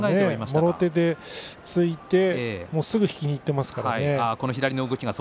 もろ手でついていって、すぐに引きにいっていますからね。